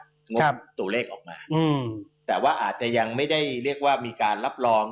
งบตัวเลขออกมาแต่ว่าอาจจะยังไม่ได้เรียกว่ามีการรับรอง